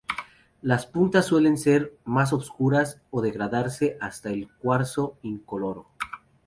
Las puntas suelen ser más oscuras o degradarse hasta el cuarzo incoloro.